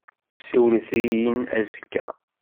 Siwlet-iyi-n azekka.